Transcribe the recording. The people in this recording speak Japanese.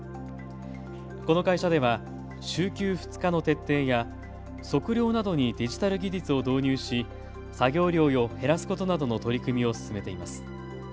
この会社では週休２日の徹底や測量などにデジタル技術を導入し作業量を減らすことなどの取り組みを進めています。